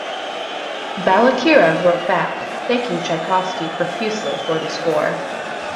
Balakirev wrote back, thanking Tchaikovsky profusely for the score.